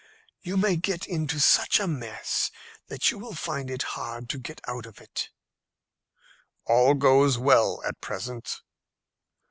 "You may get into such a mess that you will find it hard to get out of it." "All goes well at present."